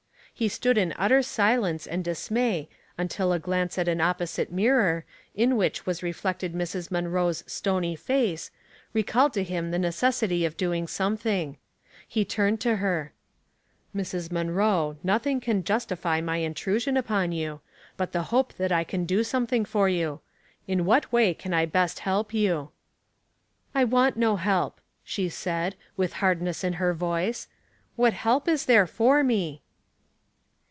He stood in utter silence and dismay until a glance at an opposite miri or, in which was reflected Mrs. Munroe's stony face, recalled to him the necessity for doing something. He turned to her. A Protector. 257 " Mrs. Munroe, nothing can justify my iutru • sion upon you, but the hope that I can do some thing for you. In what way can I best help you?" '' I want no help," she said, with hardness in her voice. '' What help is there for me